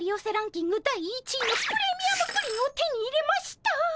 第１位のプレミアムプリンを手に入れました！